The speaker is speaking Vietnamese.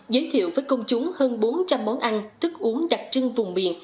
giới thiệu với công chúng hơn bốn trăm linh món ăn thức uống đặc trưng vùng miền